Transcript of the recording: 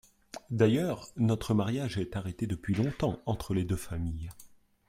D’ailleurs, notre mariage est arrêté depuis longtemps entre les deux familles…